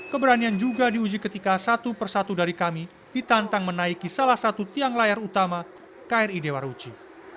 keberanian juga diuji ketika satu persatu dari kami ditantang menaiki salah satu tiang layar utama kri dewa ruci